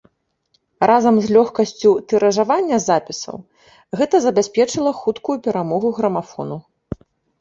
Разам з лёгкасцю тыражавання запісаў гэта забяспечыла хуткую перамогу грамафону.